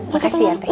makasih ya tegi